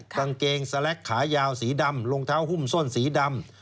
กางเกงสแล็กขายาวสีดำรองเท้าหุ้มส้นสีดำ